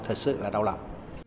thật sự là đau lòng